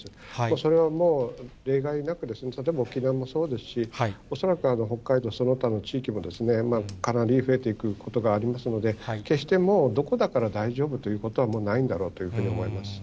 それはもう、例外なく例えば沖縄もそうですし、恐らく北海道、その他の地域も、かなり増えていくことがありますので、決してもう、どこだから大丈夫ということはもうないんだろうというふうに思います。